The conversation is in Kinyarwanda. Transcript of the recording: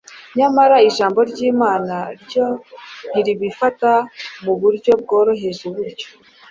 Nyamara Ijambo ry’Imana ryo ntiribifata mu buryo bworoheje butyo.